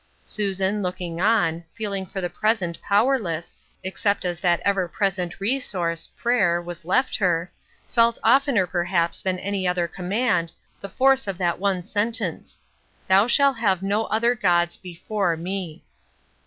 Susan, looking on, feeling for the present power less, except as that ever present resource — prayer — was left her, felt oftener perhaps than any other command, the force of that one sentence :" Thou shall have no other gods before me."